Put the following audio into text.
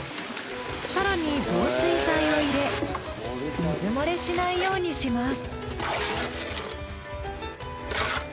更に防水剤を入れ水漏れしないようにします。